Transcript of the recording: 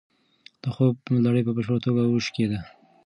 د خوب لړۍ په بشپړه توګه وشکېده.